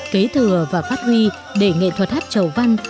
kế thừa và phát huy để nghệ thuật hát chầu văn